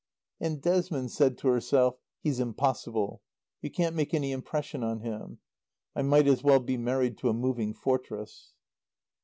And Desmond said to herself, "He's impossible. You can't make any impression on him. I might as well be married to a Moving Fortress."